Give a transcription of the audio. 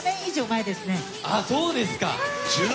そうですか。